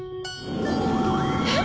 えっ！？